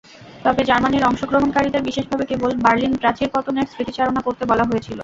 তবে, জার্মানির অংশগ্রহণকারীদের বিশেষভাবে কেবল বার্লিন প্রাচীর পতনের স্মৃতিচারণা করতে বলা হয়েছিল।